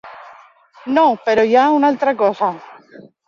No, però hi ha una altra cosa.